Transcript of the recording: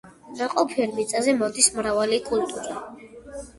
ნაყოფიერ მიწაზე მოდის მრავალი კულტურა.